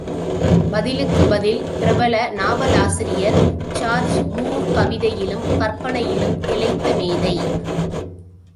பதிலுக்கு பதில் பிரபல நாவலாசிரியர் ஜார்ஜ் மூர் கவிதையிலும் கற்பனையிலும் திளைத்த மேதை.